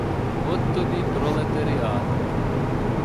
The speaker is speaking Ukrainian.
От тобі й пролетаріат!